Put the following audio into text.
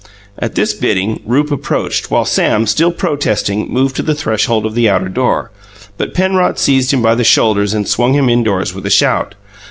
At this bidding, Rupe approached, while Sam, still protesting, moved to the threshold of the outer door; but Penrod seized him by the shoulders and swung him indoors with a shout.